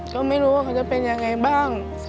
ก็ไม่รู้ว่าเขาจะเป็นยังไงบ้าง